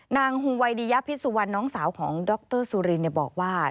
นางฮุไวดียาพิสุวรรณน้องสาวของดรซูลินบอกว่า